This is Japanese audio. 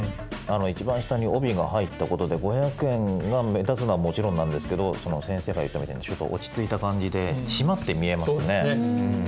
一番下に帯が入ったことで「５００円」が目立つのはもちろんなんですけど先生が言ったみたいにちょっと落ち着いた感じで締まって見えますもんね。